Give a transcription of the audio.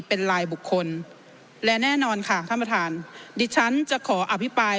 เป็นลายบุคคลและแน่นอนค่ะท่านประธานดิฉันจะขออภิปราย